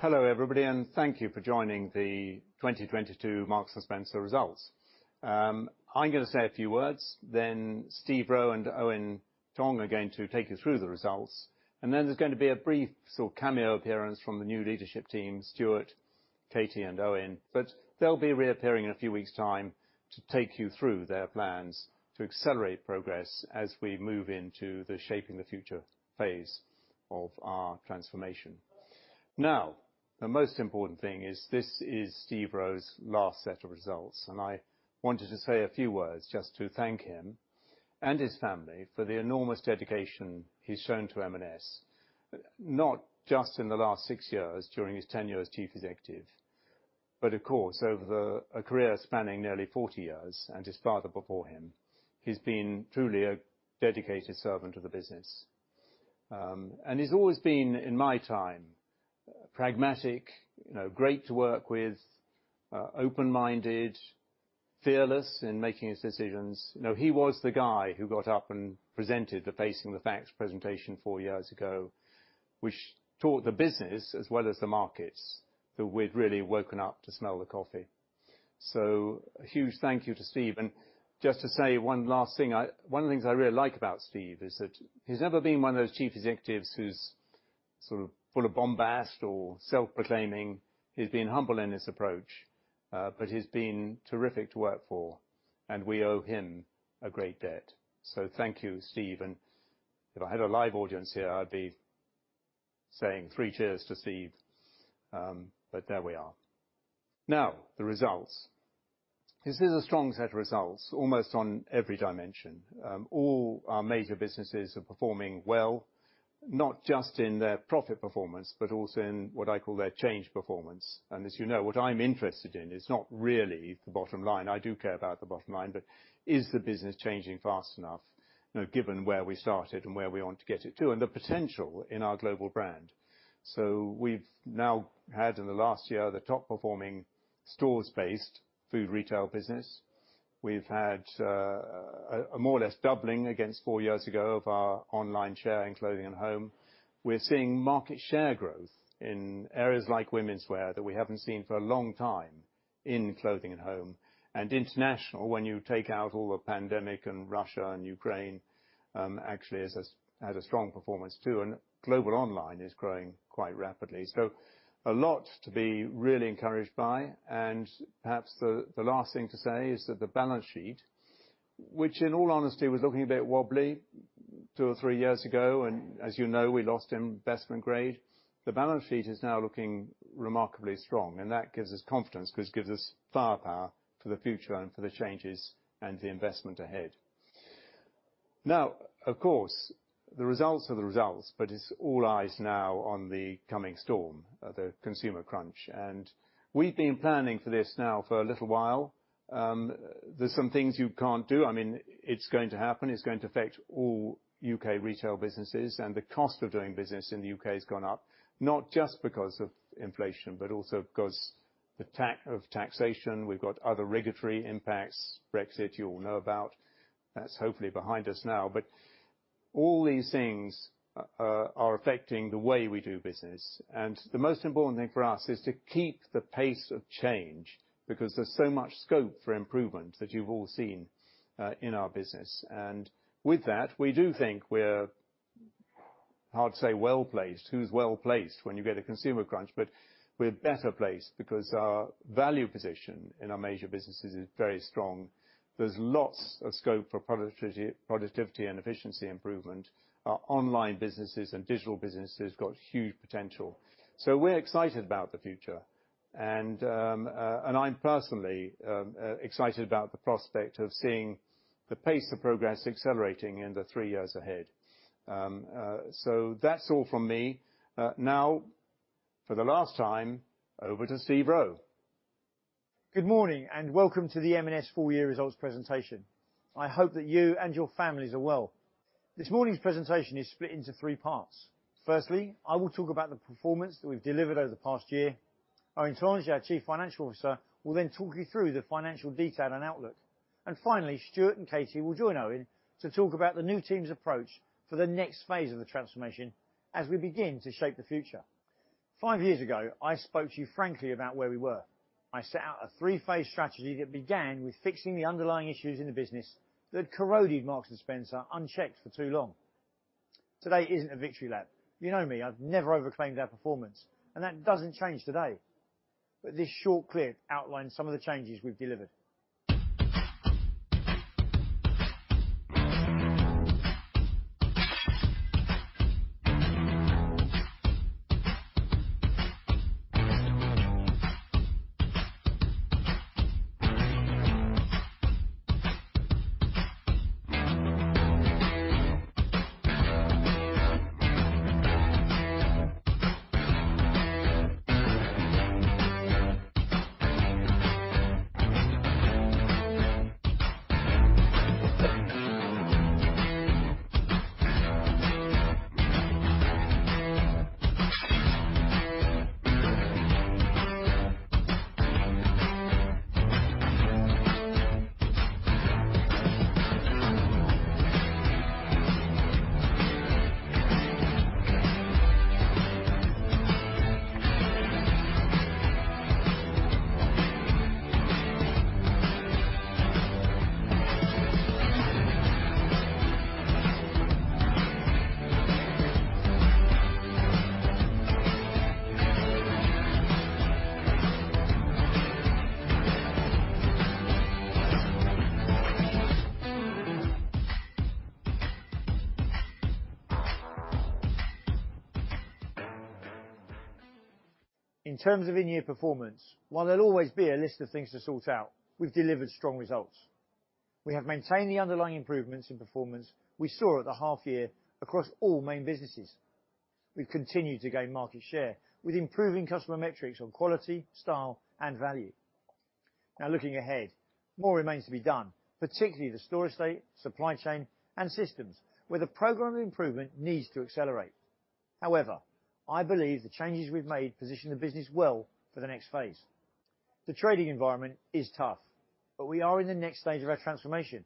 Hello, everybody, and thank you for joining the 2022 Marks & Spencer results. I'm gonna say a few words, then Steve Rowe and Eoin Tonge are going to take you through the results. Then there's gonna be a brief sort of cameo appearance from the new leadership team, Stuart, Katie, and Eoin. They'll be reappearing in a few weeks' time to take you through their plans to accelerate progress as we move into the Shaping the Future phase of our transformation. Now, the most important thing is this is Steve Rowe's last set of results, and I wanted to say a few words just to thank him and his family for the enormous dedication he's shown to M&S, not just in the last six years during his tenure as chief executive, but of course, over a career spanning nearly forty years and his father before him. He's been truly a dedicated servant of the business. He's always been, in my time, pragmatic, you know, great to work with, open-minded, fearless in making his decisions. You know, he was the guy who got up and presented the Facing the Facts presentation four years ago, which taught the business as well as the markets that we'd really woken up to smell the coffee. A huge thank you to Steve. Just to say one last thing, one of the things I really like about Steve is that he's never been one of those chief executives who's sort of full of bombast or self-proclaiming. He's been humble in his approach, but he's been terrific to work for, and we owe him a great debt. Thank you, Steve. If I had a live audience here, I'd be saying three cheers to Steve. But there we are. Now, the results. This is a strong set of results, almost on every dimension. All our major businesses are performing well, not just in their profit performance, but also in what I call their change performance. As you know, what I'm interested in is not really the bottom line. I do care about the bottom line, but is the business changing fast enough, you know, given where we started and where we want to get it to and the potential in our global brand? We've now had, in the last year, the top-performing stores-based food retail business. We've had a more or less doubling against four years ago of our online share in Clothing & Home. We're seeing market share growth in areas like womenswear that we haven't seen for a long time in Clothing & Home. International, when you take out all the pandemic and Russia and Ukraine, actually had a strong performance, too, and global online is growing quite rapidly. A lot to be really encouraged by. Perhaps the last thing to say is that the balance sheet, which in all honesty, was looking a bit wobbly two or three years ago, and as you know, we lost investment grade. The balance sheet is now looking remarkably strong, and that gives us confidence because it gives us firepower for the future and for the changes and the investment ahead. Now, of course, the results are the results, but it's all eyes now on the coming storm, the consumer crunch. We've been planning for this now for a little while. There's some things you can't do. I mean, it's going to happen. It's going to affect all U.K. retail businesses, and the cost of doing business in the U.K. has gone up, not just because of inflation, but also because the tax of taxation. We've got other regulatory impacts. Brexit, you all know about. That's hopefully behind us now. All these things are affecting the way we do business. The most important thing for us is to keep the pace of change because there's so much scope for improvement that you've all seen in our business. With that, we do think we're, how to say, well-placed. Who's well-placed when you get a consumer crunch? We're better placed because our value position in our major businesses is very strong. There's lots of scope for productivity and efficiency improvement. Our online businesses and digital businesses got huge potential. We're excited about the future and I'm personally excited about the prospect of seeing the pace of progress accelerating in the three years ahead. That's all from me. Now, for the last time, over to Steve Rowe. Good morning and welcome to the M&S full-year results presentation. I hope that you and your families are well. This morning's presentation is split into three parts. Firstly, I will talk about the performance that we've delivered over the past year. Eoin Tonge, our Chief Financial Officer, will then talk you through the financial detail and outlook. Finally, Stuart and Katie will join Eoin to talk about the new team's approach for the next phase of the transformation as we begin to Shape the Future. Five years ago, I spoke to you frankly about where we were. I set out a three-phase strategy that began with fixing the underlying issues in the business that corroded Marks & Spencer unchecked for too long. Today isn't a victory lap. You know me, I've never overclaimed our performance, and that doesn't change today. This short clip outlines some of the changes we've delivered. In terms of in-year performance, while there'll always be a list of things to sort out, we've delivered strong results. We have maintained the underlying improvements in performance we saw at the half year across all main businesses. We've continued to gain market share with improving customer metrics on quality, style, and value. Now looking ahead, more remains to be done, particularly the store estate, supply chain, and systems, where the program improvement needs to accelerate. However, I believe the changes we've made position the business well for the next phase. The trading environment is tough, but we are in the next stage of our transformation,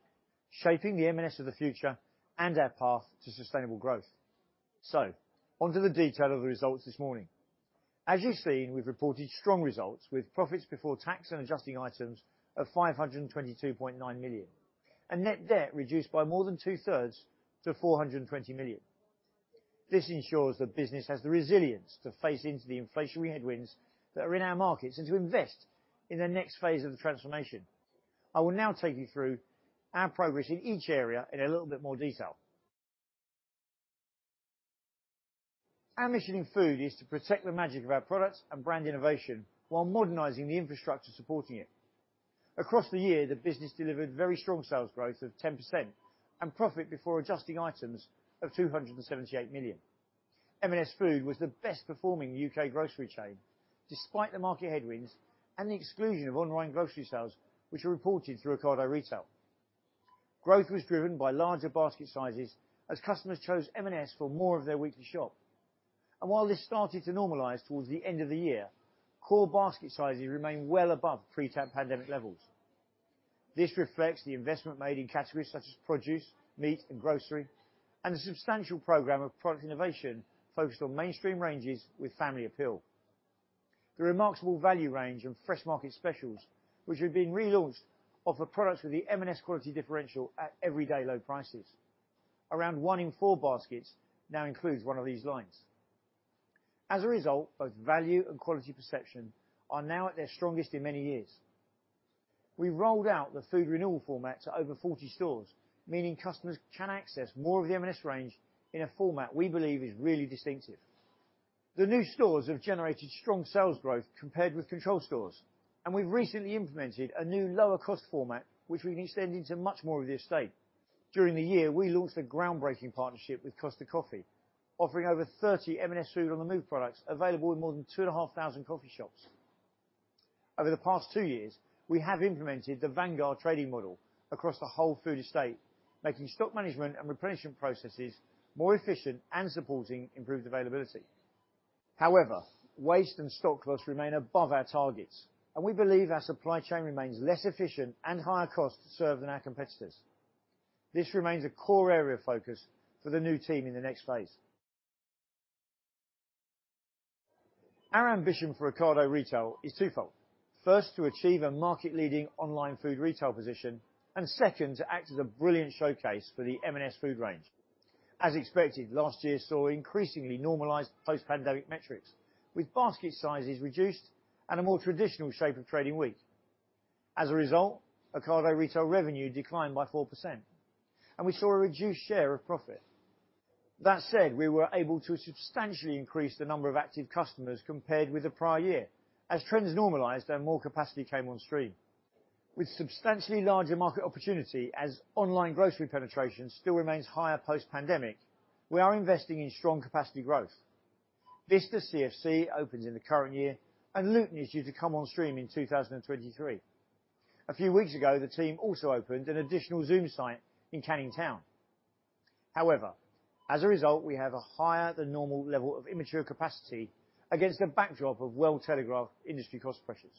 shaping the M&S of the future and our path to sustainable growth. Onto the detail of the results this morning. As you've seen, we've reported strong results with profits before tax and adjusting items of 522.9 million. Net debt reduced by more than two-thirds to 420 million. This ensures the business has the resilience to face into the inflationary headwinds that are in our markets and to invest in the next phase of the transformation. I will now take you through our progress in each area in a little bit more detail. Our mission in Food is to protect the magic of our product and brand innovation while modernizing the infrastructure supporting it. Across the year, the business delivered very strong sales growth of 10% and profit before adjusting items of 278 million. M&S Food was the best performing UK grocery chain despite the market headwinds and the exclusion of online grocery sales, which are reported through Ocado Retail. Growth was driven by larger basket sizes as customers chose M&S for more of their weekly shop. While this started to normalize towards the end of the year, core basket sizes remain well above pre-pandemic levels. This reflects the investment made in categories such as produce, meat, and grocery, and the substantial program of product innovation focused on mainstream ranges with family appeal. The Remarksable Value range and Fresh Market Specials, which have been relaunched, offer products with the M&S quality differential at everyday low prices. Around 1 in 4 baskets now includes one of these lines. As a result, both value and quality perception are now at their strongest in many years. We rolled out the food renewal format to over 40 stores, meaning customers can access more of the M&S range in a format we believe is really distinctive. The new stores have generated strong sales growth compared with control stores, and we've recently implemented a new lower cost format which we can extend into much more of the estate. During the year, we launched a groundbreaking partnership with Costa Coffee, offering over 30 M&S Food on the move products available in more than 2,500 coffee shops. Over the past 2 years, we have implemented the Vangarde trading model across the whole Food estate, making stock management and replenishment processes more efficient and supporting improved availability. However, waste and stock loss remain above our targets, and we believe our supply chain remains less efficient and higher cost to serve than our competitors. This remains a core area of focus for the new team in the next phase. Our ambition for Ocado Retail is twofold. First, to achieve a market leading online food retail position, and second, to act as a brilliant showcase for the M&S food range. As expected, last year saw increasingly normalized post-pandemic metrics, with basket sizes reduced and a more traditional shape of trading week. As a result, Ocado Retail revenue declined by 4%, and we saw a reduced share of profit. That said, we were able to substantially increase the number of active customers compared with the prior year as trends normalized and more capacity came on stream. With substantially larger market opportunity as online grocery penetration still remains higher post-pandemic, we are investing in strong capacity growth. Bicester CFC opens in the current year, and Luton is due to come on stream in 2023. A few weeks ago, the team also opened an additional Zoom site in Canning Town. However, as a result, we have a higher than normal level of immature capacity against a backdrop of well-telegraphed industry cost pressures.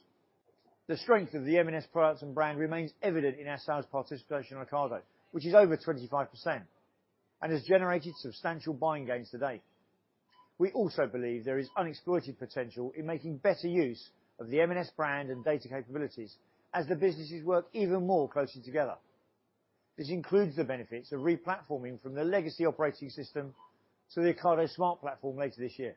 The strength of the M&S products and brand remains evident in our sales participation in Ocado, which is over 25% and has generated substantial buying gains to date. We also believe there is unexploited potential in making better use of the M&S brand and data capabilities as the businesses work even more closely together. This includes the benefits of replatforming from the legacy operating system to the Ocado Smart platform later this year.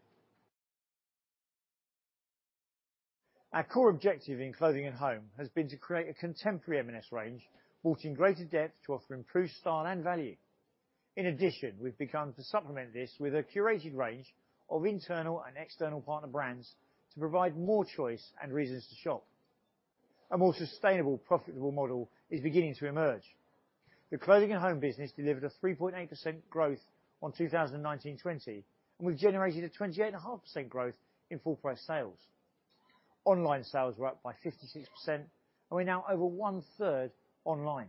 Our core objective in Clothing & Home has been to create a contemporary M&S range brought in greater depth to offer improved style and value. In addition, we've begun to supplement this with a curated range of internal and external partner brands to provide more choice and reasons to shop. A more sustainable, profitable model is beginning to emerge. The Clothing & Home business delivered a 3.8% growth on 2019/20, and we've generated a 28.5% growth in full price sales. Online sales were up by 56%, and we're now over one-third online.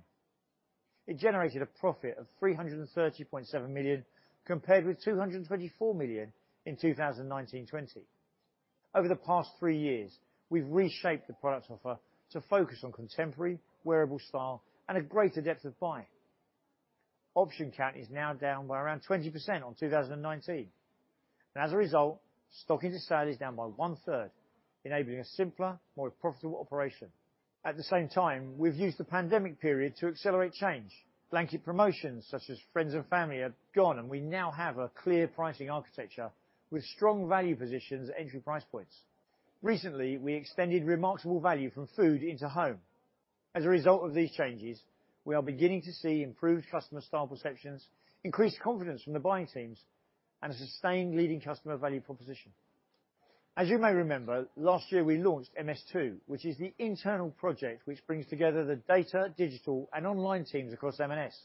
It generated a profit of 330.7 million compared with 224 million in 2019/20. Over the past three years, we've reshaped the product offer to focus on contemporary wearable style and a greater depth of buying. Option count is now down by around 20% on 2019. As a result, stock into sale is down by 1/3, enabling a simpler, more profitable operation. At the same time, we've used the pandemic period to accelerate change. Blanket promotions such as friends and family are gone, and we now have a clear pricing architecture with strong value positions at entry price points. Recently, we extended Remarkable Value from food into home. As a result of these changes, we are beginning to see improved customer style perceptions, increased confidence from the buying teams, and a sustained leading customer value proposition. As you may remember, last year we launched MS2, which is the internal project which brings together the data, digital, and online teams across M&S.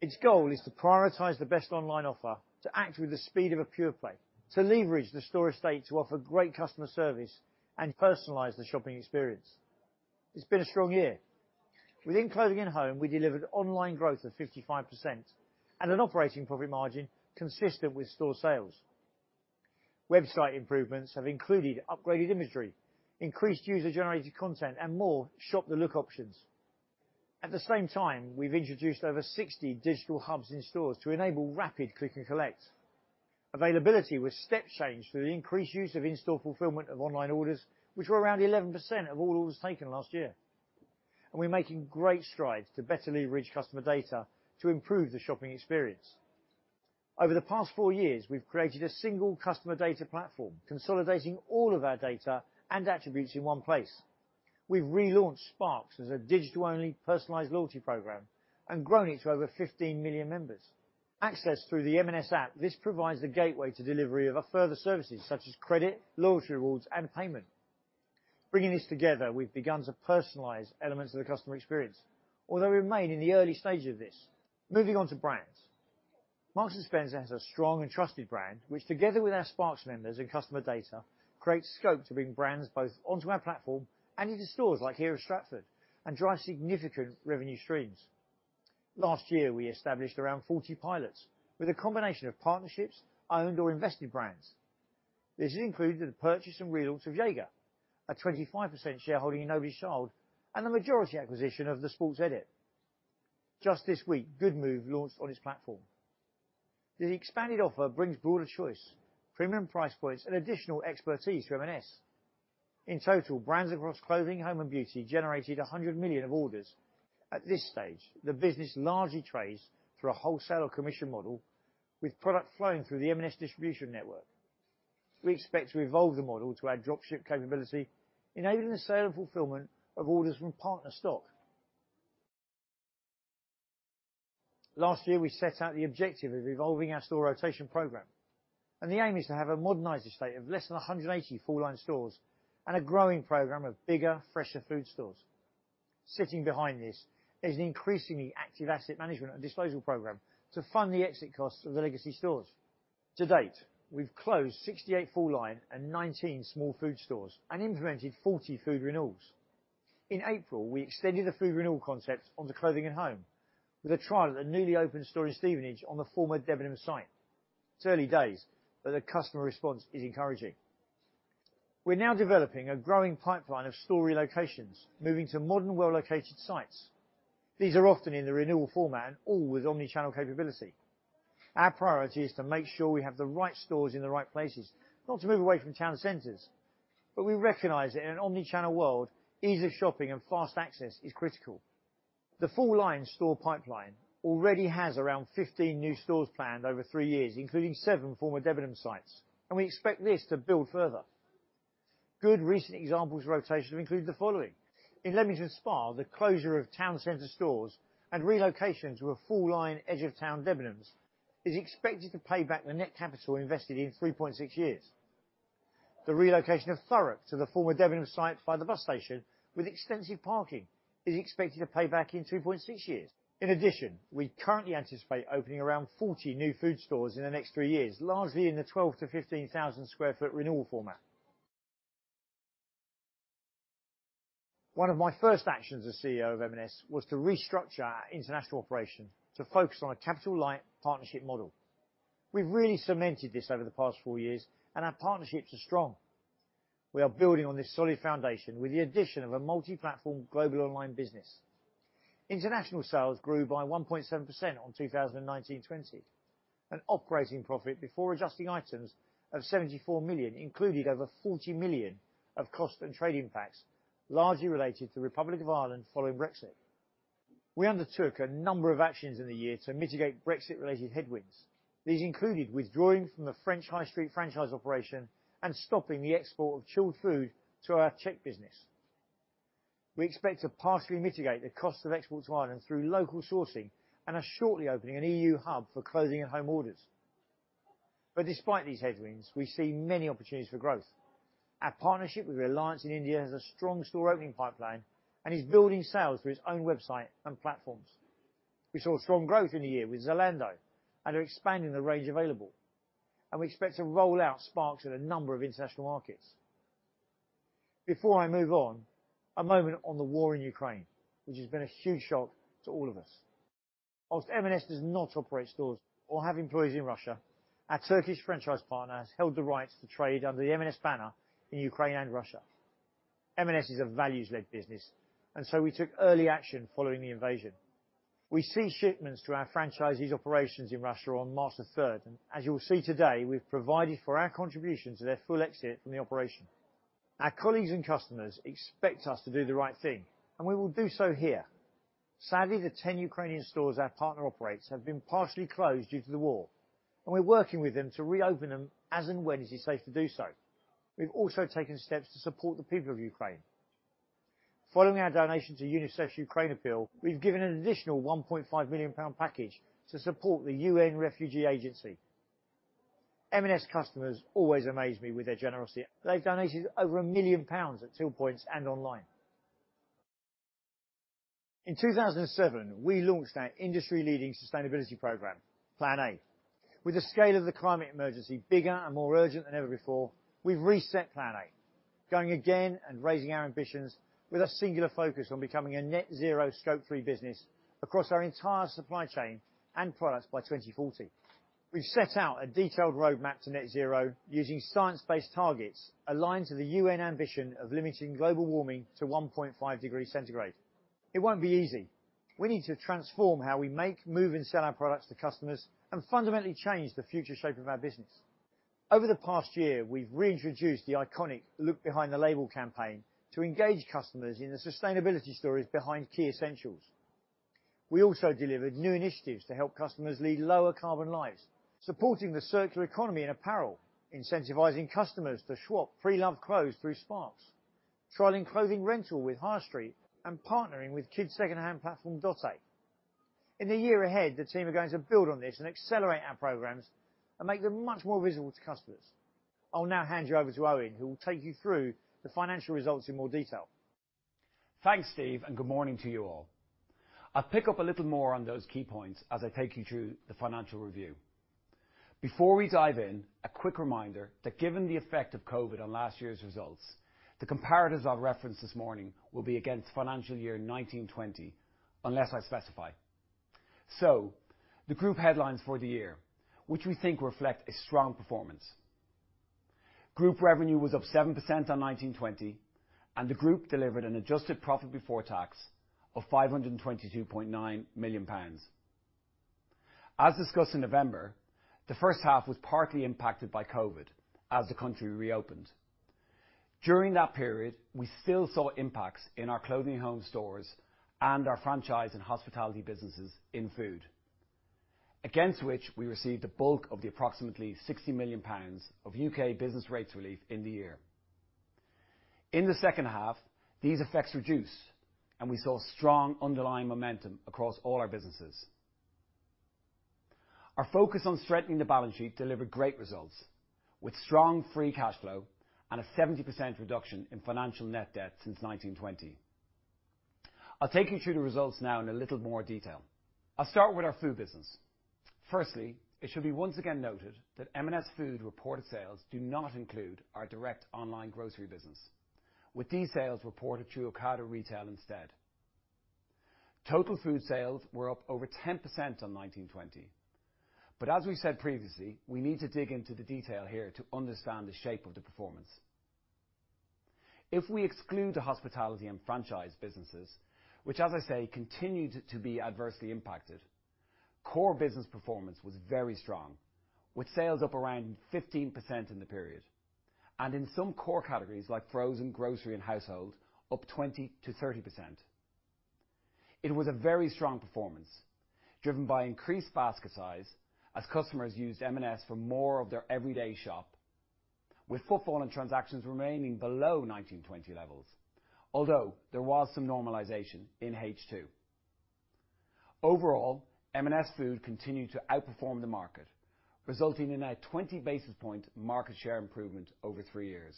Its goal is to prioritize the best online offer to act with the speed of a pure play, to leverage the store estate to offer great customer service and personalize the shopping experience. It's been a strong year. Within Clothing & Home, we delivered online growth of 55% and an operating profit margin consistent with store sales. Website improvements have included upgraded imagery, increased user-generated content, and more shop the look options. At the same time, we've introduced over 60 digital hubs in stores to enable rapid click and collect. Availability was step change through the increased use of in-store fulfillment of online orders, which were around 11% of all orders taken last year. We're making great strides to better leverage customer data to improve the shopping experience. Over the past four years, we've created a single customer data platform, consolidating all of our data and attributes in one place. We've relaunched Sparks as a digital-only personalized loyalty program and grown it to over 15 million members. Accessed through the M&S app, this provides the gateway to delivery of our further services such as credit, loyalty rewards, and payment. Bringing this together, we've begun to personalize elements of the customer experience, although we remain in the early stages of this. Moving on to brands. Marks & Spencer has a strong and trusted brand, which together with our Sparks members and customer data, creates scope to bring brands both onto our platform and into stores like here at Stratford and drive significant revenue streams. Last year, we established around 40 pilots with a combination of partnerships, owned or invested brands. This has included the purchase and relaunch of Jaeger, a 25% shareholding in Nobody's Child, and the majority acquisition of The Sports Edit. Just this week, Goodmove launched on its platform. The expanded offer brings broader choice, premium price points and additional expertise to M&S. In total, brands across Clothing, Home and Beauty generated 100 million of orders. At this stage, the business largely trades through a wholesale commission model with product flowing through the M&S distribution network. We expect to evolve the model to add drop ship capability, enabling the sale and fulfillment of orders from partner stock. Last year, we set out the objective of evolving our store rotation program, and the aim is to have a modernized estate of less than 180 full line stores and a growing program of bigger, fresher food stores. Sitting behind this is an increasingly active asset management and disposal program to fund the exit costs of the legacy stores. To date, we've closed 68 full line and 19 small food stores and implemented 40 food renewals. In April, we extended the food renewal concept onto Clothing and Home with a trial at a newly opened store in Stevenage on the former Debenhams site. It's early days, but the customer response is encouraging. We're now developing a growing pipeline of store relocations, moving to modern, well-located sites. These are often in the renewal format and all with omnichannel capability. Our priority is to make sure we have the right stores in the right places, not to move away from town centers. We recognize that in an omnichannel world, easy shopping and fast access is critical. The full line store pipeline already has around 15 new stores planned over three years, including 7 former Debenhams sites, and we expect this to build further. Good recent examples of rotation include the following. In Leamington Spa, the closure of town center stores and relocation to a full line edge of town Debenhams is expected to pay back the net capital invested in 3.6 years. The relocation of Thurrock to the former Debenhams site by the bus station with extensive parking is expected to pay back in 2.6 years. In addition, we currently anticipate opening around 40 new food stores in the next three years, largely in the 12,000 to 15,000 sq ft renewal format. One of my first actions as CEO of M&S was to restructure our international operation to focus on a capital-light partnership model. We've really cemented this over the past four years, and our partnerships are strong. We are building on this solid foundation with the addition of a multi-platform global online business. International sales grew by 1.7% on 2019 to 20. An operating profit before adjusting items of 74 million included over 40 million of cost and trade impacts, largely related to Republic of Ireland following Brexit. We undertook a number of actions in the year to mitigate Brexit-related headwinds. These included withdrawing from the French high street franchise operation and stopping the export of chilled food to our Czech business. We expect to partially mitigate the cost of exports to Ireland through local sourcing and are shortly opening an EU hub for Clothing & Home orders. Despite these headwinds, we see many opportunities for growth. Our partnership with Reliance in India has a strong store opening pipeline and is building sales through its own website and platforms. We saw strong growth in the year with Zalando and are expanding the range available. We expect to roll out Sparks in a number of international markets. Before I move on, a moment on the war in Ukraine, which has been a huge shock to all of us. While M&S does not operate stores or have employees in Russia, our Turkish franchise partner has held the rights to trade under the M&S banner in Ukraine and Russia. M&S is a values-led business, and so we took early action following the invasion. We ceased shipments to our franchisee's operations in Russia on March the third. As you will see today, we've provided for our contribution to their full exit from the operation. Our colleagues and customers expect us to do the right thing, and we will do so here. Sadly, the 10 Ukrainian stores our partner operates have been partially closed due to the war, and we're working with them to reopen them as and when it is safe to do so. We've also taken steps to support the people of Ukraine. Following our donation to UNICEF's Ukraine appeal, we've given an additional 1.5 million pound package to support UNHCR. M&S customers always amaze me with their generosity. They've donated over 1 million pounds at till points and online. In 2007, we launched our industry-leading sustainability program, Plan A. With the scale of the climate emergency bigger and more urgent than ever before, we've reset Plan A, going again and raising our ambitions with a singular focus on becoming a net zero Scope three business across our entire supply chain and products by 2040. We've set out a detailed roadmap to net zero using Science Based Targets aligned to the UN ambition of limiting global warming to 1.5 degrees centigrade. It won't be easy. We need to transform how we make, move, and sell our products to customers and fundamentally change the future shape of our business. Over the past year, we've reintroduced the iconic Look Behind the Label campaign to engage customers in the sustainability stories behind key essentials. We also delivered new initiatives to help customers lead lower carbon lives, supporting the circular economy in apparel, incentivizing customers to swap pre-loved clothes through Sparks, trialing clothing rental with Hirestreet, and partnering with kids secondhand platform Dotte. In the year ahead, the team are going to build on this and accelerate our programs and make them much more visible to customers. I'll now hand you over to Eoin, who will take you through the financial results in more detail. Thanks, Steve, and good morning to you all. I'll pick up a little more on those key points as I take you through the financial review. Before we dive in, a quick reminder that given the effect of Covid on last year's results, the comparatives I'll reference this morning will be against financial year 19/20, unless I specify. The group headlines for the year, which we think reflect a strong performance. Group revenue was up 7% on 19/20, and the group delivered an adjusted profit before tax of 522.9 million pounds. As discussed in November, the H1 was partly impacted by Covid as the country reopened. During that period, we still saw impacts in our Clothing & Home stores and our franchise and hospitality businesses in food. Against which we received the bulk of the approximately 60 million pounds of UK business rates relief in the year. In the H2, these effects reduced, and we saw strong underlying momentum across all our businesses. Our focus on strengthening the balance sheet delivered great results, with strong free cash flow and a 70% reduction in financial net debt since 2019/20. I'll take you through the results now in a little more detail. I'll start with our food business. Firstly, it should be once again noted that M&S Food reported sales do not include our direct online grocery business. With these sales reported through Ocado Retail instead. Total food sales were up over 10% on 2019/20. As we said previously, we need to dig into the detail here to understand the shape of the performance. If we exclude the hospitality and franchise businesses, which, as I say, continued to be adversely impacted, core business performance was very strong, with sales up around 15% in the period, and in some core categories like frozen, grocery, and household up 20% to 30%. It was a very strong performance driven by increased basket size as customers used M&S for more of their everyday shop, with footfall and transactions remaining below 2019 to 20 levels. Although there was some normalization in H2. Overall, M&S Food continued to outperform the market, resulting in a 20 basis point market share improvement over three years.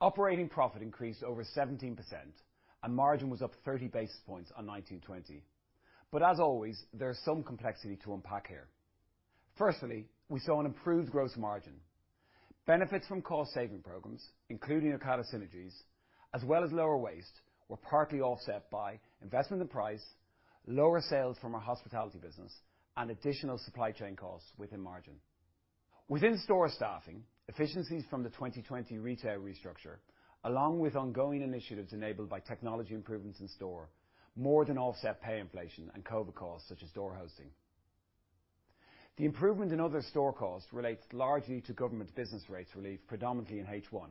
Operating profit increased over 17% and margin was up 30 basis points on 2019 to 20. As always, there's some complexity to unpack here. Firstly, we saw an improved gross margin. Benefits from cost saving programs, including Ocado synergies, as well as lower waste, were partly offset by investment in price, lower sales from our hospitality business, and additional supply chain costs within margin. Within store staffing, efficiencies from the 2020 retail restructure, along with ongoing initiatives enabled by technology improvements in store, more than offset pay inflation and COVID costs such as door hosting. The improvement in other store costs relates largely to government business rates relief predominantly in H1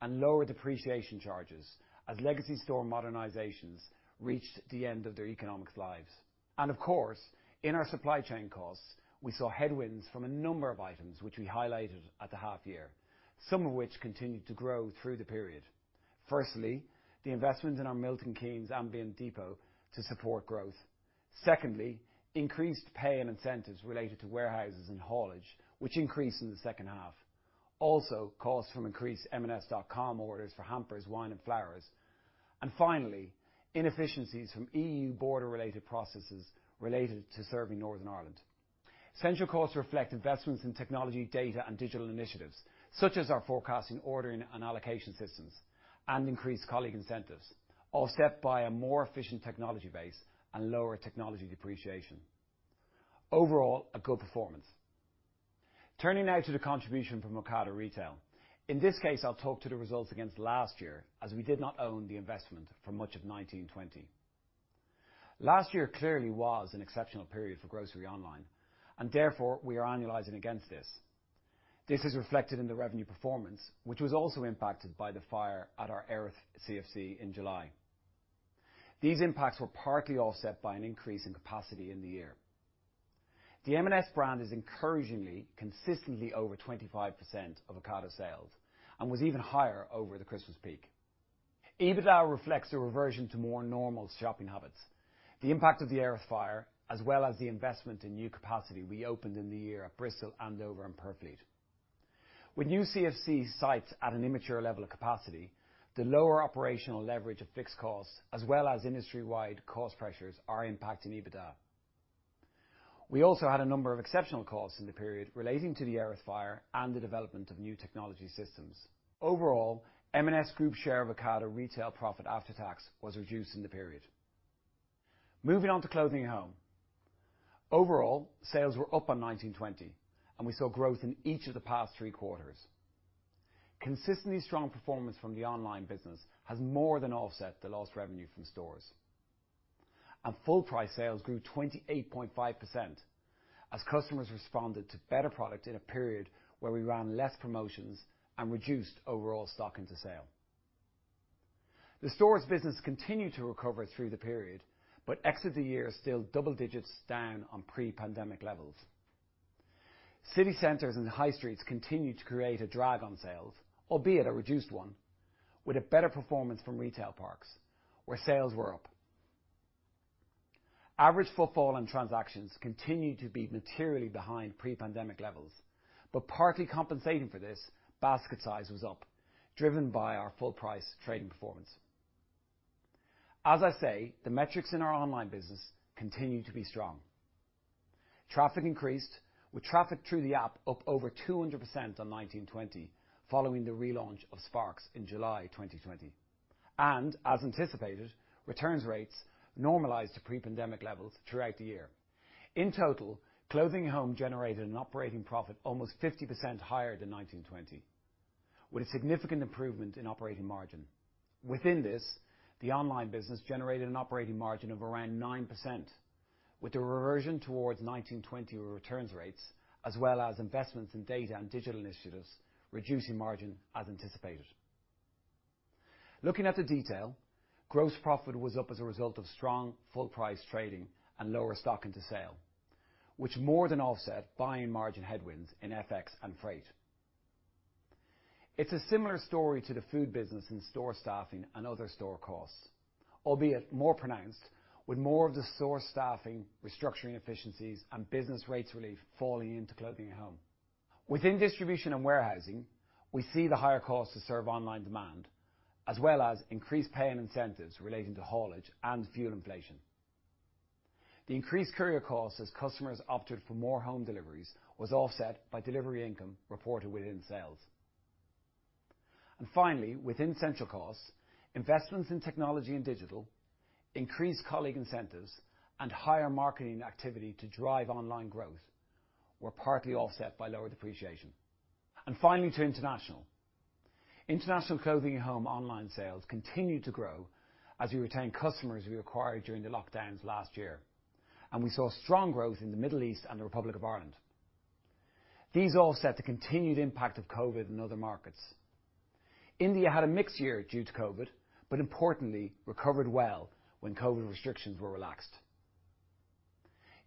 and lower depreciation charges as legacy store modernizations reached the end of their economic lives. Of course, in our supply chain costs, we saw headwinds from a number of items which we highlighted at the half year, some of which continued to grow through the period. Firstly, the investment in our Milton Keynes ambient depot to support growth. Secondly, increased pay and incentives related to warehouses and haulage, which increased in the H2. Also, costs from increased M&S.com orders for hampers, wine and flowers. Finally, inefficiencies from EU border-related processes related to serving Northern Ireland. Central costs reflect investments in technology, data, and digital initiatives, such as our forecasting, ordering, and allocation systems, and increased colleague incentives, offset by a more efficient technology base and lower technology depreciation. Overall, a good performance. Turning now to the contribution from Ocado Retail. In this case, I'll talk to the results against last year, as we did not own the investment for much of 2019 to 20. Last year clearly was an exceptional period for grocery online and therefore we are annualizing against this. This is reflected in the revenue performance, which was also impacted by the fire at our Erith CFC in July. These impacts were partly offset by an increase in capacity in the year. The M&S brand is encouragingly, consistently over 25% of Ocado sales and was even higher over the Christmas peak. EBITDA reflects a reversion to more normal shopping habits, the impact of the Erith fire, as well as the investment in new capacity we opened in the year at Bristol, Andover, and Purfleet. With new CFC sites at an immature level of capacity, the lower operational leverage of fixed costs as well as industry-wide cost pressures are impacting EBITDA. We also had a number of exceptional costs in the period relating to the Erith fire and the development of new technology systems. Overall, M&S group share of Ocado Retail profit after tax was reduced in the period. Moving on to Clothing & Home. Overall, sales were up on 2019 to 20, and we saw growth in each of the past three quarters. Consistently strong performance from the online business has more than offset the lost revenue from stores. Full price sales grew 28.5% as customers responded to better product in a period where we ran less promotions and reduced overall stock into sale. The stores business continued to recover through the period, but exited the year still double digits down on pre-pandemic levels. City centers and high streets continued to create a drag on sales, albeit a reduced one, with a better performance from retail parks where sales were up. Average footfall and transactions continued to be materially behind pre-pandemic levels, but partly compensating for this, basket size was up, driven by our full price trading performance. As I say, the metrics in our online business continue to be strong. Traffic increased with traffic through the app up over 200% on 2019/20 following the relaunch of Sparks in July 2020. As anticipated, returns rates normalized to pre-pandemic levels throughout the year. In total, Clothing & Home generated an operating profit almost 50% higher than 2019/20, with a significant improvement in operating margin. Within this, the online business generated an operating margin of around 9%, with a reversion towards 2019 to 20 returns rates, as well as investments in data and digital initiatives, reducing margin as anticipated. Looking at the detail, gross profit was up as a result of strong full-price trading and lower stock into sale, which more than offset buying margin headwinds in FX and freight. It's a similar story to the food business in store staffing and other store costs, albeit more pronounced with more of the store staffing, restructuring efficiencies, and business rates relief falling into Clothing & Home. Within distribution and warehousing, we see the higher cost to serve online demand, as well as increased pay and incentives relating to haulage and fuel inflation. The increased courier costs as customers opted for more home deliveries was offset by delivery income reported within sales. Within central costs, investments in technology and digital, increased colleague incentives, and higher marketing activity to drive online growth were partly offset by lower depreciation. Finally to International. International Clothing & Home online sales continued to grow as we retained customers we acquired during the lockdowns last year, and we saw strong growth in the Middle East and the Republic of Ireland. These offset the continued impact of COVID in other markets. India had a mixed year due to COVID, but importantly recovered well when COVID restrictions were relaxed.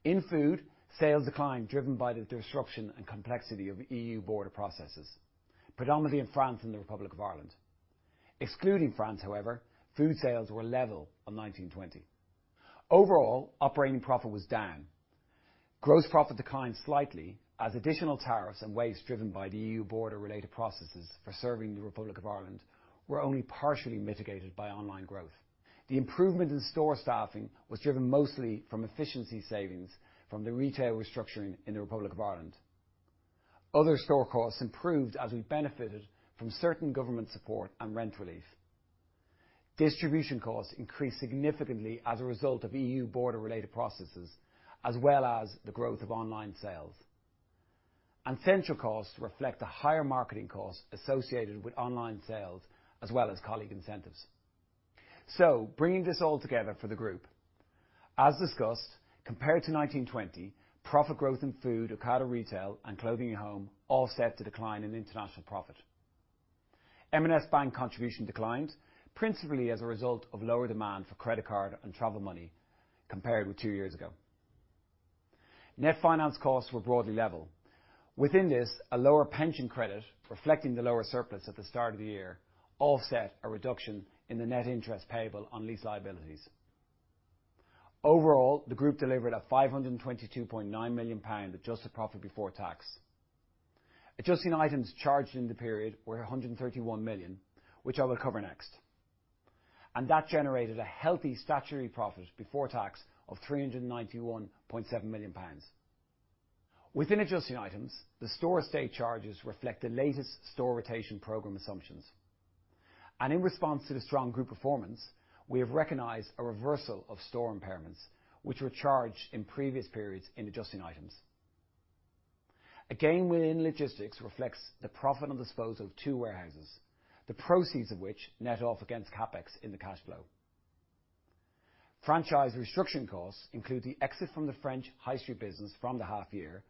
In food, sales declined, driven by the disruption and complexity of EU border processes, predominantly in France and the Republic of Ireland. Excluding France, however, food sales were level on 2019 to 20. Overall, operating profit was down. Gross profit declined slightly as additional tariffs and waste driven by the EU border-related processes for serving the Republic of Ireland were only partially mitigated by online growth. The improvement in store staffing was driven mostly from efficiency savings from the retail restructuring in the Republic of Ireland. Other store costs improved as we benefited from certain government support and rent relief. Distribution costs increased significantly as a result of EU border-related processes, as well as the growth of online sales. Central costs reflect the higher marketing costs associated with online sales, as well as colleague incentives. Bringing this all together for the group. As discussed, compared to 2019-20, profit growth in Food, Ocado Retail, and Clothing & Home offset the decline in international profit. M&S Bank contribution declined principally as a result of lower demand for credit card and travel money compared with two years ago. Net finance costs were broadly level. Within this, a lower pension credit reflecting the lower surplus at the start of the year offset a reduction in the net interest payable on lease liabilities. Overall, the group delivered 522.9 million pound adjusted profit before tax. Adjusting items charged in the period were 131 million, which I will cover next. That generated a healthy statutory profit before tax of 391.7 million pounds. Within adjusting items, the store estate charges reflect the latest store rotation program assumptions. In response to the strong group performance, we have recognized a reversal of store impairments which were charged in previous periods in adjusting items. Again, within logistics reflects the profit on disposal of 2 warehouses, the proceeds of which net off against CapEx in the cash flow. Franchise restriction costs include the exit from the French high street business from the half year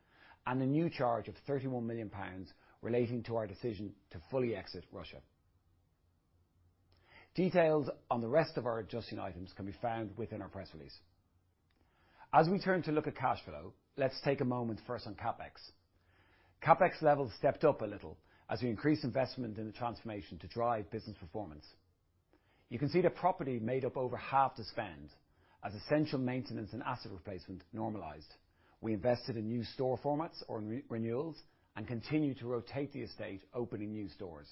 and a new charge of 31 million pounds relating to our decision to fully exit Russia. Details on the rest of our adjusting items can be found within our press release. As we turn to look at cash flow, let's take a moment first on CapEx. CapEx levels stepped up a little as we increase investment in the transformation to drive business performance. You can see that property made up over half the spend as essential maintenance and asset replacement normalized. We invested in new store formats or re-renewals and continued to rotate the estate, opening new stores.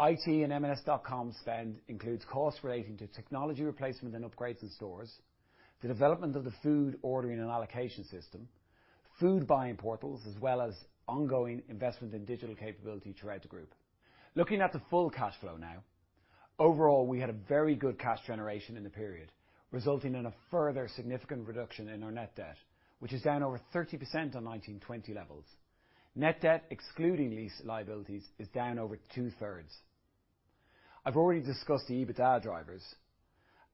IT and M&S.com spend includes costs relating to technology replacement and upgrades in stores, the development of the food ordering and allocation system, food buying portals, as well as ongoing investment in digital capability throughout the group. Looking at the full cash flow now. Overall, we had a very good cash generation in the period, resulting in a further significant reduction in our net debt, which is down over 30% on 2019 to 20 levels. Net debt excluding lease liabilities is down over 2/3. I've already discussed the EBITDA drivers.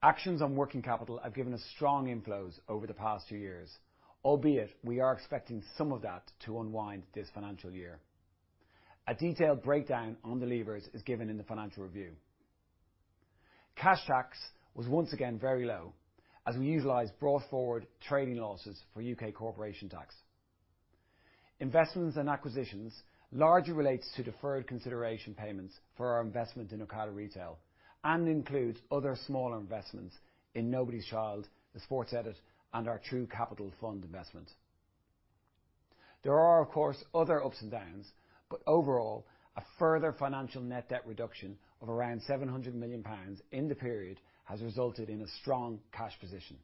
Actions on working capital have given us strong inflows over the past two years, albeit we are expecting some of that to unwind this financial year. A detailed breakdown on the levers is given in the financial review. Cash tax was once again very low as we utilized brought forward trading losses for UK corporation tax. Investments and acquisitions largely relates to deferred consideration payments for our investment in Ocado Retail and includes other smaller investments in Nobody's Child, The Sports Edit, and our True Capital Fund investment. There are, of course, other ups and downs, but overall, a further financial net debt reduction of around 700 million pounds in the period has resulted in a strong cash position.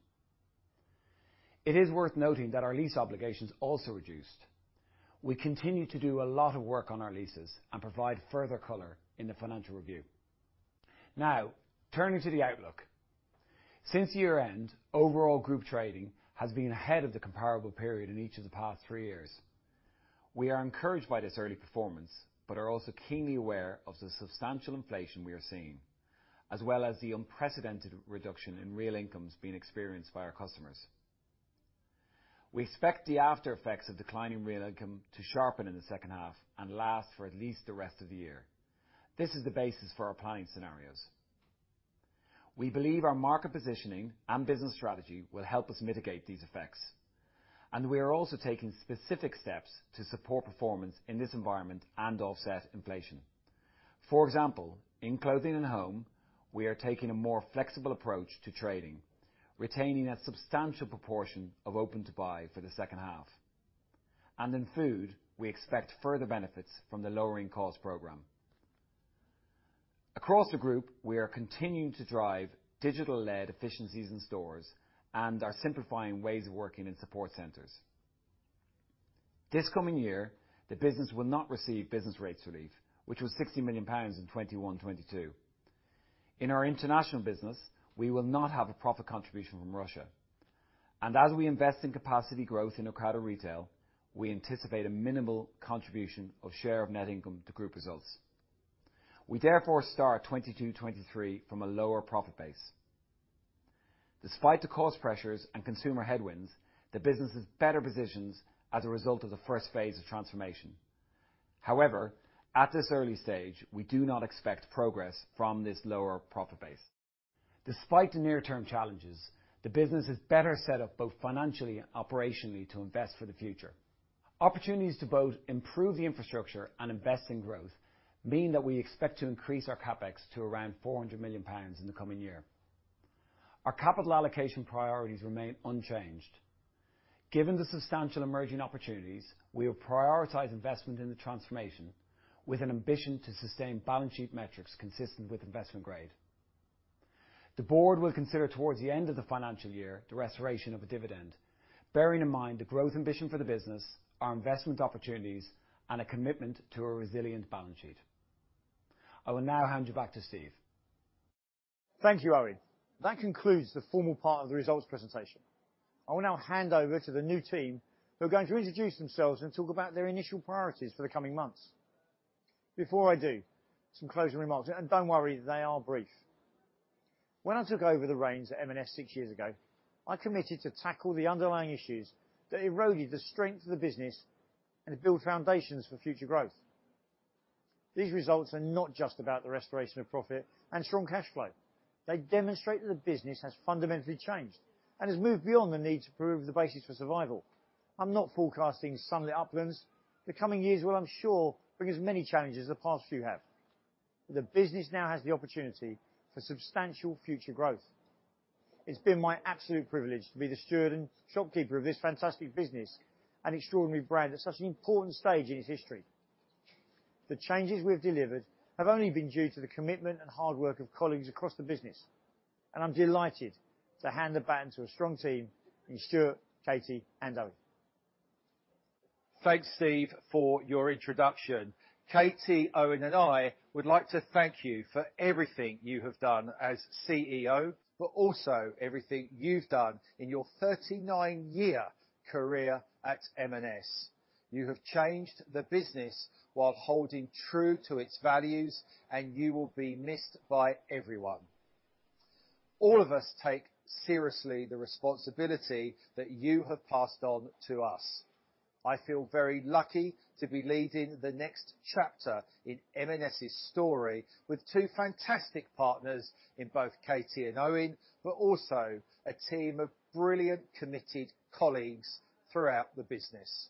It is worth noting that our lease obligations also reduced. We continue to do a lot of work on our leases and provide further color in the financial review. Now, turning to the outlook. Since year-end, overall group trading has been ahead of the comparable period in each of the past three years. We are encouraged by this early performance, but are also keenly aware of the substantial inflation we are seeing, as well as the unprecedented reduction in real incomes being experienced by our customers. We expect the after effects of declining real income to sharpen in the H2 and last for at least the rest of the year. This is the basis for our planning scenarios. We believe our market positioning and business strategy will help us mitigate these effects, and we are also taking specific steps to support performance in this environment and offset inflation. For example, in clothing and home, we are taking a more flexible approach to trading, retaining a substantial proportion of open to buy for the H2. In food, we expect further benefits from the lowering cost program. Across the group, we are continuing to drive digital-led efficiencies in stores and are simplifying ways of working in support centers. This coming year, the business will not receive business rates relief, which was 60 million pounds in 2021, 2022. In our international business, we will not have a profit contribution from Russia. As we invest in capacity growth in Ocado Retail, we anticipate a minimal contribution of share of net income to group results. We therefore start 2022, 2023 from a lower profit base. Despite the cost pressures and consumer headwinds, the business is better positioned as a result of the first phase of transformation. However, at this early stage, we do not expect progress from this lower profit base. Despite the near-term challenges, the business is better set up both financially and operationally to invest for the future. Opportunities to both improve the infrastructure and invest in growth mean that we expect to increase our CapEx to around 400 million pounds in the coming year. Our capital allocation priorities remain unchanged. Given the substantial emerging opportunities, we have prioritized investment in the transformation with an ambition to sustain balance sheet metrics consistent with investment grade. The board will consider towards the end of the financial year the restoration of a dividend, bearing in mind the growth ambition for the business, our investment opportunities, and a commitment to a resilient balance sheet. I will now hand you back to Steve. Thank you, Eoin. That concludes the formal part of the results presentation. I will now hand over to the new team who are going to introduce themselves and talk about their initial priorities for the coming months. Before I do, some closing remarks, and don't worry, they are brief. When I took over the reins at M&S six years ago, I committed to tackle the underlying issues that eroded the strength of the business and to build foundations for future growth. These results are not just about the restoration of profit and strong cash flow. They demonstrate that the business has fundamentally changed and has moved beyond the need to prove the basis for survival. I'm not forecasting sunlit uplands. The coming years will, I'm sure, bring as many challenges as the past few have. The business now has the opportunity for substantial future growth. It's been my absolute privilege to be the steward and shopkeeper of this fantastic business and extraordinary brand at such an important stage in its history. The changes we have delivered have only been due to the commitment and hard work of colleagues across the business, and I'm delighted to hand the baton to a strong team in Stuart, Katie and Eoin. Thanks, Steve, for your introduction. Katie, Eoin, and I would like to thank you for everything you have done as CEO, but also everything you've done in your 39-year career at M&S. You have changed the business while holding true to its values, and you will be missed by everyone. All of us take seriously the responsibility that you have passed on to us. I feel very lucky to be leading the next chapter in M&S's story with two fantastic partners in both Katie and Eoin, but also a team of brilliant, committed colleagues throughout the business.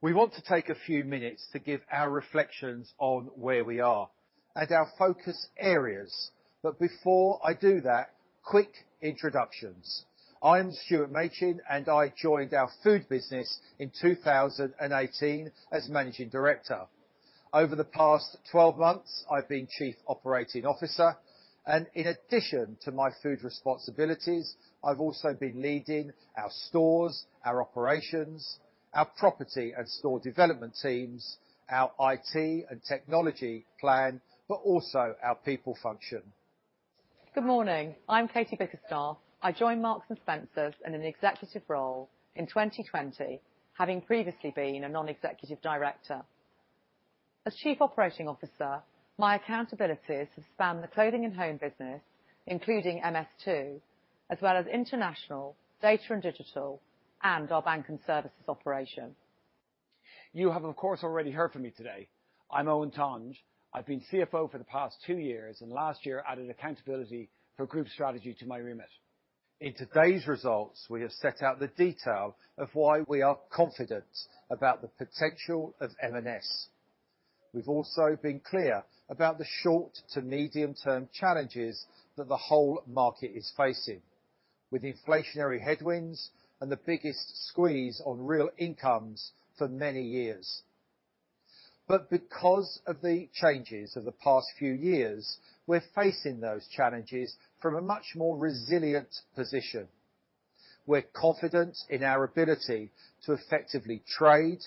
We want to take a few minutes to give our reflections on where we are and our focus areas. Before I do that, quick introductions. I'm Stuart Machin, and I joined our food business in 2018 as managing director. Over the past 12 months, I've been Chief Operating Officer, and in addition to my food responsibilities, I've also been leading our stores, our operations, our property and store development teams, our IT and technology plan, but also our people function. Good morning. I'm Katie Bickerstaffe. I joined Marks & Spencer in an executive role in 2020, having previously been a non-executive director. As chief operating officer, my accountabilities have spanned the clothing and home business, including MS2, as well as international, data and digital, and our bank and services operation. You have, of course, already heard from me today. I'm Eoin Tonge. I've been CFO for the past two years and last year added accountability for group strategy to my remit. In today's results, we have set out the detail of why we are confident about the potential of M&S. We've also been clear about the short to medium term challenges that the whole market is facing with inflationary headwinds and the biggest squeeze on real incomes for many years. Because of the changes of the past few years, we're facing those challenges from a much more resilient position. We're confident in our ability to effectively trade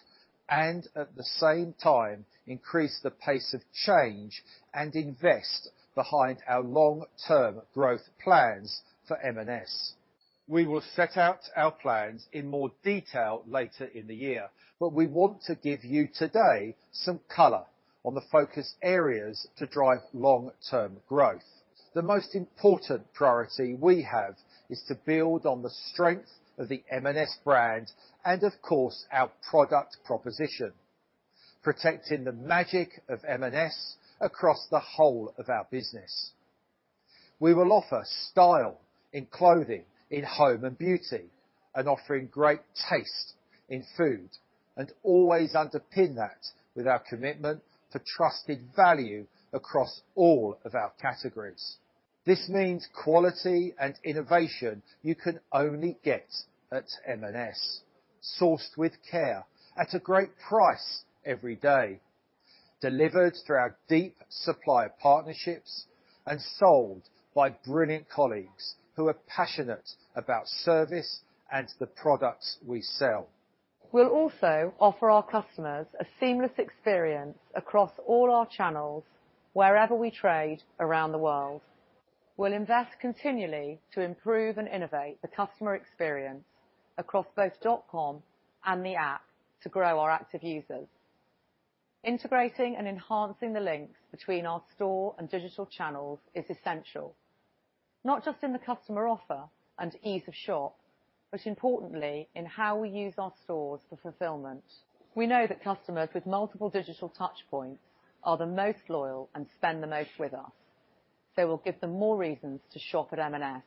and at the same time increase the pace of change and invest behind our long-term growth plans for M&S. We will set out our plans in more detail later in the year, but we want to give you today some color on the focus areas to drive long-term growth. The most important priority we have is to build on the strength of the M&S brand and of course, our product proposition, protecting the magic of M&S across the whole of our business. We will offer style in clothing, in home and beauty, and offering great taste in food, and always underpin that with our commitment to trusted value across all of our categories. This means quality and innovation you can only get at M&S, sourced with care at a great price every day, delivered through our deep supplier partnerships and sold by brilliant colleagues who are passionate about service and the products we sell. We'll also offer our customers a seamless experience across all our channels wherever we trade around the world. We'll invest continually to improve and innovate the customer experience across both dot com and the app to grow our active users. Integrating and enhancing the links between our store and digital channels is essential, not just in the customer offer and ease of shop, but importantly in how we use our stores for fulfillment. We know that customers with multiple digital touchpoints are the most loyal and spend the most with us, so we'll give them more reasons to shop at M&S.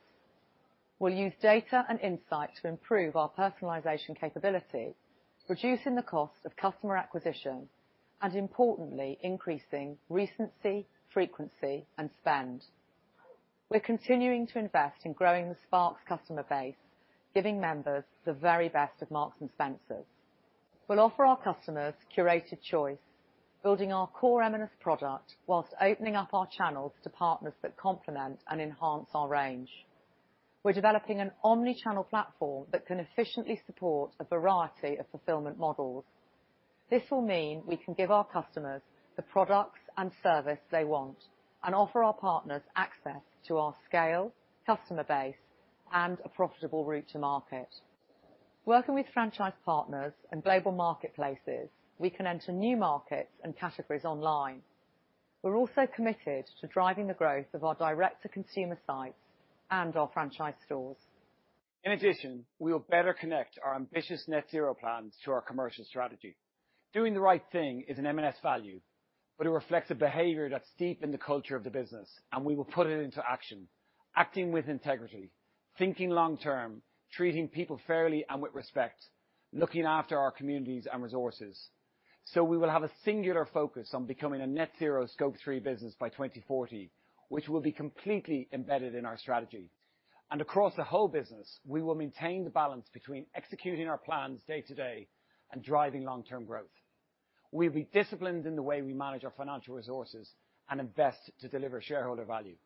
We'll use data and insight to improve our personalization capability, reducing the cost of customer acquisition and importantly, increasing recency, frequency, and spend. We're continuing to invest in growing the Sparks customer base, giving members the very best of Marks & Spencer. We'll offer our customers curated choice, building our core M&S product while opening up our channels to partners that complement and enhance our range. We're developing an omni-channel platform that can efficiently support a variety of fulfillment models. This will mean we can give our customers the products and service they want and offer our partners access to our scale, customer base, and a profitable route to market. Working with franchise partners and global marketplaces, we can enter new markets and categories online. We're also committed to driving the growth of our direct-to-consumer sites and our franchise stores. In addition, we will better connect our ambitious net zero plans to our commercial strategy. Doing the right thing is an M&S value, but it reflects a behavior that's deep in the culture of the business, and we will put it into action. Acting with integrity, thinking long term, treating people fairly and with respect, looking after our communities and resources. We will have a singular focus on becoming a net zero Scope three business by 2040, which will be completely embedded in our strategy. Across the whole business, we will maintain the balance between executing our plans day to day and driving long-term growth. We'll be disciplined in the way we manage our financial resources and invest to deliver shareholder value.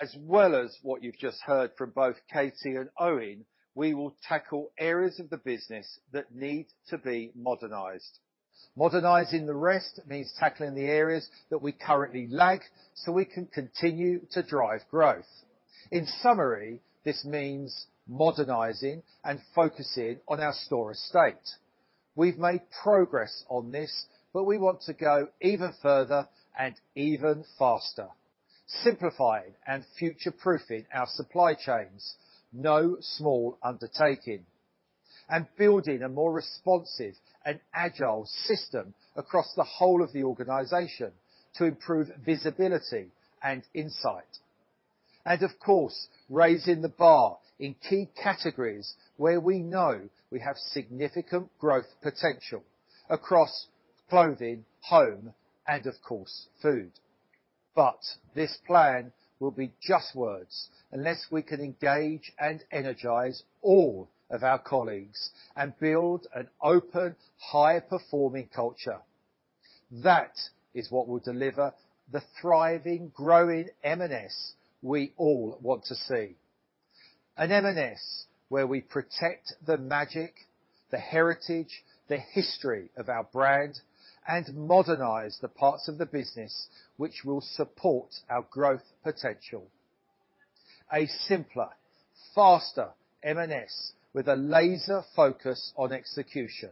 As well as what you've just heard from both Katie and Eoin, we will tackle areas of the business that need to be modernized. Modernizing the rest means tackling the areas that we currently lack so we can continue to drive growth. In summary, this means modernizing and focusing on our store estate. We've made progress on this, but we want to go even further and even faster, simplifying and future-proofing our supply chains, no small undertaking, and building a more responsive and agile system across the whole of the organization to improve visibility and insight. Of course, raising the bar in key categories where we know we have significant growth potential across clothing, home, and of course, food. This plan will be just words unless we can engage and energize all of our colleagues and build an open, high-performing culture. That is what will deliver the thriving, growing M&S we all want to see. An M&S where we protect the magic, the heritage, the history of our brand, and modernize the parts of the business which will support our growth potential. A simpler, faster M&S with a laser focus on execution,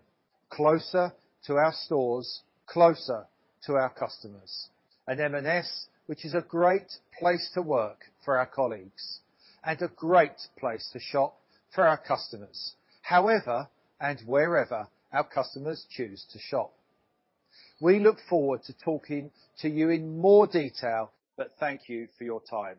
closer to our stores, closer to our customers. An M&S which is a great place to work for our colleagues and a great place to shop for our customers, however and wherever our customers choose to shop. We look forward to talking to you in more detail, but thank you for your time.